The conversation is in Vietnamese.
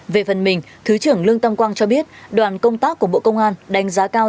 về phần mình thứ trưởng lương tâm quang cho biết đoàn công tác của bộ công an đánh giá cao